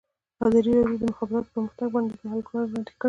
ازادي راډیو د د مخابراتو پرمختګ پر وړاندې د حل لارې وړاندې کړي.